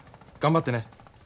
頑張ってね。